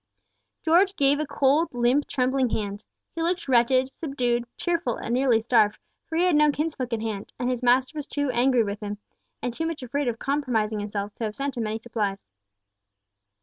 George gave a cold, limp, trembling hand. He looked wretched, subdued, tearful, and nearly starved, for he had no kinsfolk at hand, and his master was too angry with him, and too much afraid of compromising himself, to have sent him any supplies.